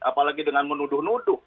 apalagi dengan menuduh nuduh